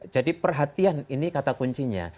jadi perhatian ini kata kuncinya